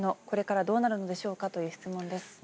これからどうなるのでしょうか？という質問です。